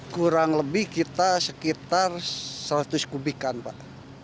kurang lebih kita sekitar rp seratus kubik an pak